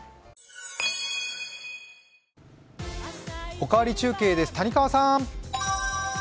「おかわり中継」です、谷川さん。